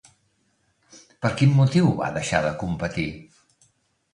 Per quin motiu va deixar de competir?